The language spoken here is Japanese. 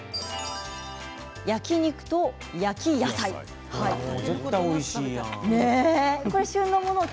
焼き肉と焼き野菜です。